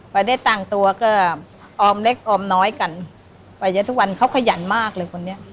ไปได้ต่างตัวก็ออมเล็กออมน้อยกันไปเยอะทุกวันเขาขยันมากเลยคนนี้